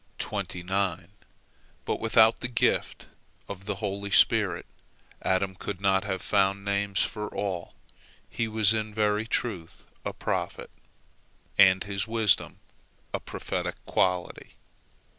But without the gift of the holy spirit, Adam could not have found names for all; he was in very truth a prophet, and his wisdom a prophetic quality.